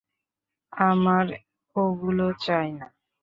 আমার ওগুলো চাই না।